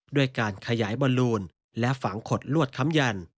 ด้วยการขยายบอลลูนและฝังขดลวดค้ำยัน